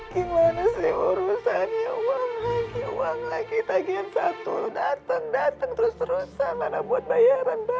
gimana sih urusannya uang lagi uang lagi tagihan satu dateng dateng terus terusan mana buat bayaran bagi sepuluh juta